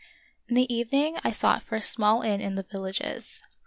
In the evening I sought for a small inn in the villages.